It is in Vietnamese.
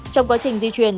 trong quá trình di chuyển